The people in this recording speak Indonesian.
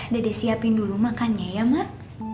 dede siapin dulu makannya ya mak